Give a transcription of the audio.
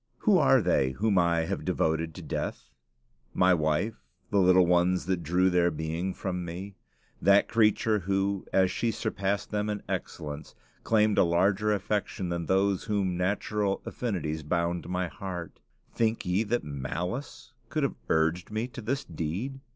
Who are they whom I have devoted to death? My wife the little ones that drew their being from me that creature who, as she surpassed them in excellence, claimed a larger affection than those whom natural affinities bound to my heart. Think ye that malice could have urged me to this deed?